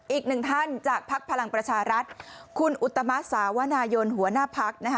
อีกหนึ่งท่านจากภักดิ์พลังประชารัฐคุณอุตมะสาวนายนหัวหน้าพัก